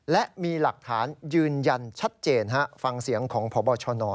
และมีหลักฐานยืนยันชัดเจนฟังเสียงของพบชน